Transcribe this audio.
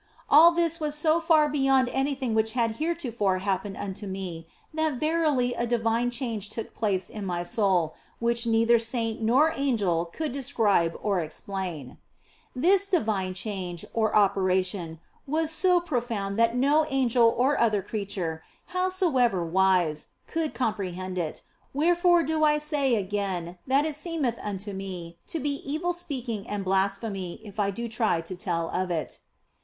All this was so far beyond anything which had heretofore happened unto me that verily a divine change took place in my soul, which neither saint nor angel could describe OF FOLIGNO 187 or explain. This divine change, or operation, was so profound that no angel or other creature, howsoever wise, could comprehend it, wherefore do I say again that it seemeth unto me to be evil speaking and blas phemy if I do try to tell of it.